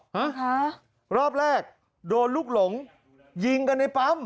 ฮะรอบแรกโดนลูกหลงยิงกันในปั๊ม